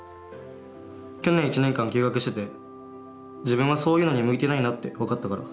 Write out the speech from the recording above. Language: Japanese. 去年１年間休学してて自分はそういうのに向いてないなって分かったから。